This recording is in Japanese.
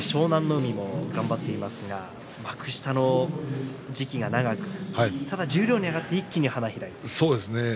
海も頑張っていますが幕下の時期が長く、ただ十両をねらって一気に花開いて。